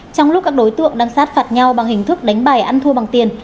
trong lúc các đối tượng đang sát phạt nhau bằng hình thức đánh bài ăn thua bằng tiền